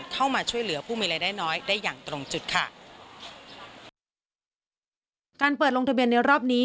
การเปิดลงทะเบียนในรอบนี้